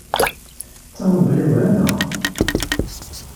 Tettamneḍ Yuba, naɣ?